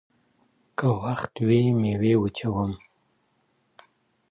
که وخت وي، مېوې وچوم؟